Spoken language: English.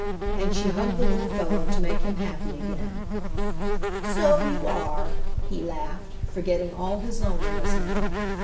and she hugged the little fellow to make him happy again. "So you are," he laughed, forgetting all his loneliness now.